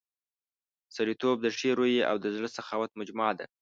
سړیتوب د ښې رويې او د زړه سخاوت مجموعه ده.